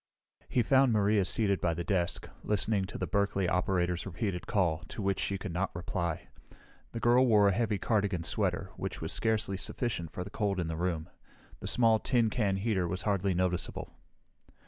He found Maria seated by the desk, listening to the Berkeley operator's repeated call, to which she could not reply. The girl wore a heavy cardigan sweater, which was scarcely sufficient for the cold in the room. The small, tin can heater was hardly noticeable.